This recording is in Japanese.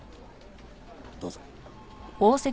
どうぞ。